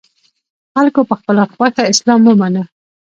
خلکو په خپله خوښه اسلام ومانه